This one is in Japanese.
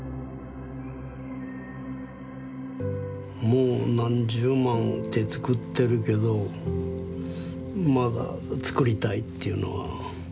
もう何十万って作ってるけどまだ作りたいっていうのは。